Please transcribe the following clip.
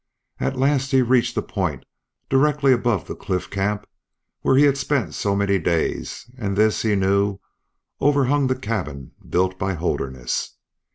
At last he reached a point directly above the cliff camp where he had spent so many days, and this he knew overhung the cabin built by Holderness.